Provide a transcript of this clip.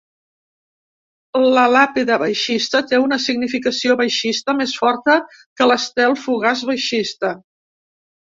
La làpida baixista té una significació baixista més forta que l'Estel fugaç baixista.